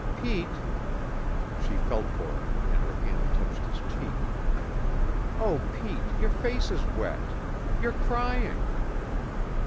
Pete " She felt for him and her hand touched his cheek. "Oh, Pete, your face is wet. You're crying."